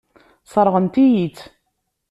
Sseṛɣent-iyi-tt.